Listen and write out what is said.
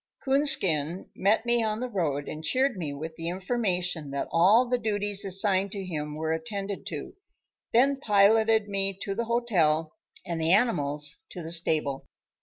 Coonskin met me on the road and cheered me with the information that all the duties assigned to him were attended to, then piloted me to the hotel and the animals to the stable.